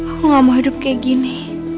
aku gak mau hidup kayak gini